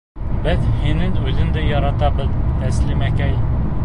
Беҙ һинең үҙеңде яратабыҙ, Тәслимәкәй.